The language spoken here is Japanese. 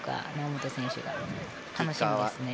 猶本選手、楽しみですね。